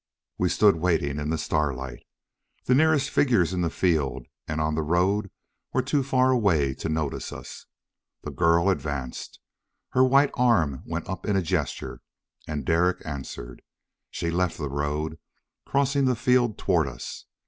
We stood waiting in the starlight. The nearest figures in the field and on the road were too far away to notice us. The girl advanced. Her white arm went up in a gesture, and Derek answered. She left the road, crossing the field toward us.